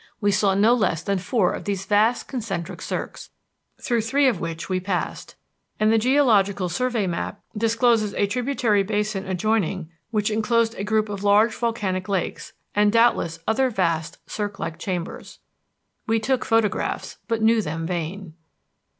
We saw no less than four of these vast concentric cirques, through three of which we passed. And the Geological Survey map discloses a tributary basin adjoining which enclosed a group of large volcanic lakes, and doubtless other vast cirque like chambers. We took photographs, but knew them vain.